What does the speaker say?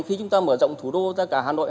khi chúng ta mở rộng thủ đô ra cả hà nội